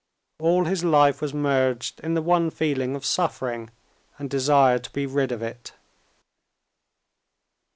All his life was merged in the one feeling of suffering and desire to be rid of it.